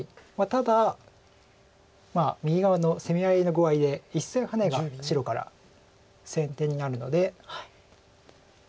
ただ右側の攻め合いの具合で１線ハネが白から先手になるので。